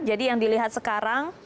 jadi yang dilihat sekarang